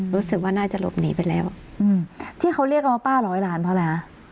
รู้สึกว่าน่าจะหลบหนีไปแล้วที่เขาเรียกกันว่าป้าร้อยล้านเพราะอะไรฮะ